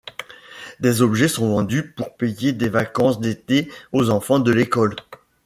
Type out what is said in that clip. Des objets sont vendus pour payer des vacances d'été aux enfants de l'école.